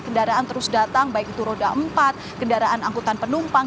kendaraan terus datang baik itu roda empat kendaraan angkutan penumpang